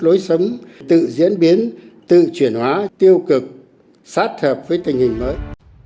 lối sống tự diễn biến tự chuyển hóa tiêu cực sát hợp với tình hình mới